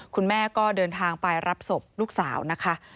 คุณแม่ก็เดินทางไปรับศพลูกสาวนะคะ